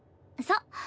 そう。